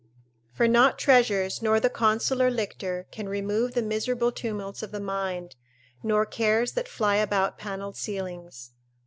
["For not treasures, nor the consular lictor, can remove the miserable tumults of the mind, nor cares that fly about panelled ceilings."